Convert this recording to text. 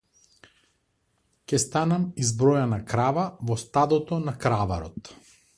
Ќе станам избројана крава во стадото на краварот.